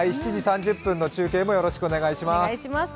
７時３０分の中継もよろしくお願いします。